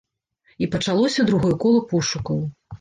І пачалося другое кола пошукаў.